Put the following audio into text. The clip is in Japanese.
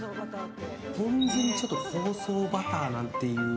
ポン酢に香草バターなんていう。